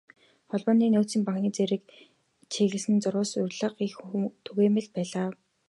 Холбооны нөөцийн банкны эсрэг чиглэсэн зурвас, уриалга их түгээмэл байлаа.